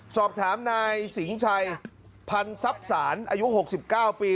สอบถามนายสิงชัยพันทรัพย์ศาลอายุ๖๙ปี